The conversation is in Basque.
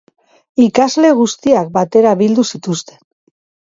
Ikasle guztiak batera bildu zituzten